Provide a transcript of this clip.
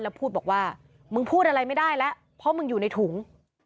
แล้วพูดบอกว่ามึงพูดอะไรไม่ได้แล้วเพราะมึงอยู่ในถุง